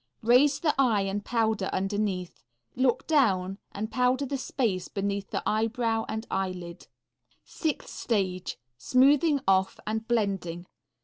Raise the eye and powder underneath; look down, and powder the space beneath eyebrow and eyelid. Sixth stage. Smoothing off and blending.